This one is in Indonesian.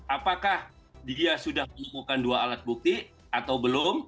apakah dia sudah menemukan dua alat bukti atau belum